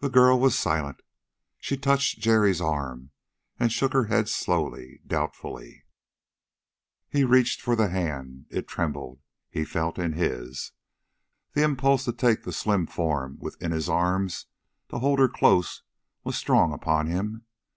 The girl was silent. She touched Jerry's arm, and shook her head slowly, doubtfully. He reached for the hand. It trembled, he felt, in his. The impulse to take the slim form within his arms, to hold her close, was strong upon him.